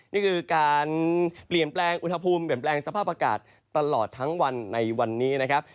นี่คือการเปลี่ยนแปลงอุณหภูมิเปลี่ยนแปลงสภาพอากาศตลอดทั้งวันในวันนี้นะครับ